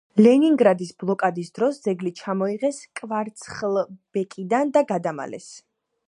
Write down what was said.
ლენინგრადის ბლოკადის დროს ძეგლი ჩამოიღეს კვარცხლბეკიდან და გადამალეს.